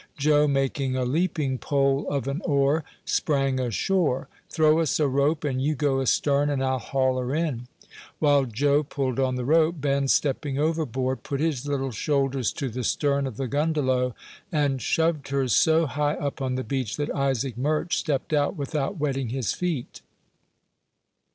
Joe, making a leaping pole of an oar, sprang ashore. "Throw us a rope, and you go astern, and I'll haul her in." While Joe pulled on the rope, Ben stepping overboard, put his little shoulders to the stern of the "gundelow," and shoved her so high up on the beach that Isaac Murch stepped out without wetting his feet.